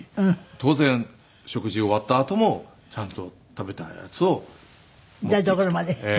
当然食事終わったあともちゃんと食べたやつを持って行くと。